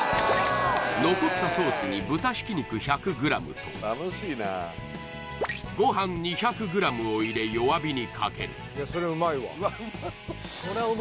残ったソースに豚ひき肉１００ｇとご飯２００ｇを入れさらに